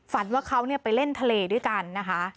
ฝันว่าเค้าเนี่ยไปเล่นทะเลด้วยกันนะคะ